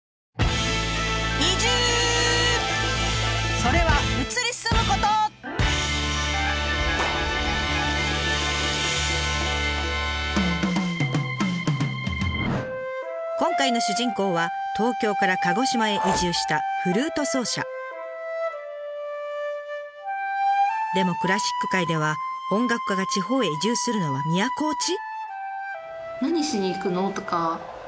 それは今回の主人公は東京から鹿児島へ移住したでもクラシック界では音楽家が地方へ移住するのは都落ち！？